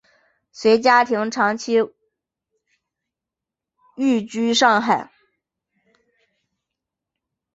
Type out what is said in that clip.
随家庭长期寓居上海。